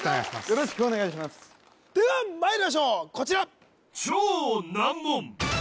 よろしくお願いしますではまいりましょうこちら